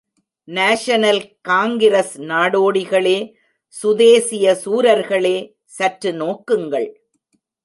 National Congress நாடோடிகளே, சுதேசிய சூரர்களே, சற்று நோக்குங்கள்.